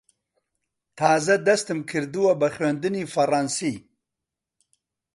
تازە دەستم کردووە بە خوێندنی فەڕەنسی.